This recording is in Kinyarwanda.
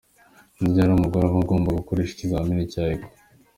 Ni ryari umugore aba agomba gukoresha ikizamini cya Echo?.